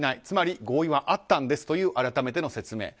つまり合意はあったんですという改めての説明。